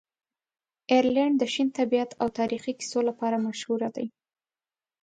آیرلنډ د شین طبیعت او تاریخي کیسو لپاره مشهوره دی.